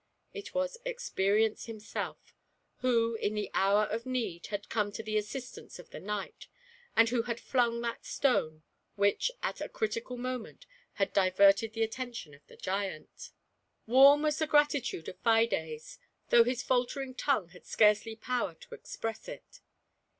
It was Experi ence himself who, in the hour of need, had come to the assistance of the knight, and who had flung that stone which, at a critical moment, had diverted the attention of the giant. GIANT PRIDE. Warm waa the gratitude of Fides, though hia falter ing tongue had scarcely power to express it.